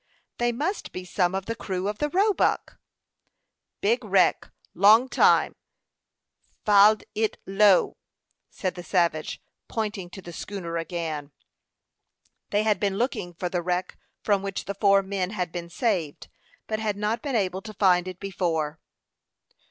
"They must be some of the crew of the Roebuck." "Big wreck; log time; fild it low," said the savage, pointing to the schooner again. They had been looking for the wreck from which the four men had been saved, but had not been able to find it before.